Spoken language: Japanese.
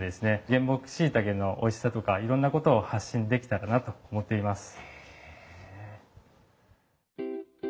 原木しいたけのおいしさとかいろんなことを発信できたらなと思っています。